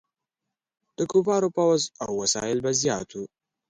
د کفارو فوځ او وسایل به زیات وو.